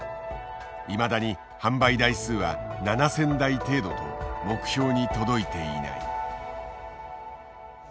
いまだに販売台数は７，０００台程度と目標に届いていない。